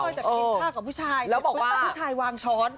ช้อนช้อนจะเทียบข้ากับผู้ชายเพื่อถ้าผู้ชายวางช้อน